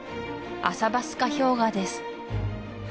アサバスカ氷河です